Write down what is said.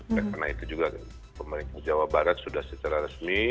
karena itu juga pemerintah jawa barat sudah secara resmi